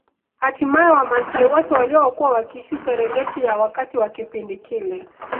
Hatimaye wamaasai wote waliokuwa wakiishi Serengeti ya wakati wa kipindi kile